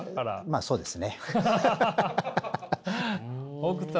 まあそうですね。